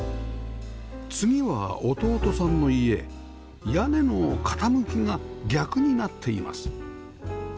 次は弟さんの家屋根の傾きが逆になっています